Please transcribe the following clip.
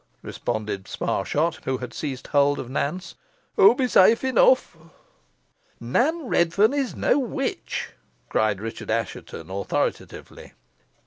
responded Sparshot, who had seized hold of Nance "hoo be safe enough." "Nan Redferne is no witch," said Richard Assheton, authoritatively.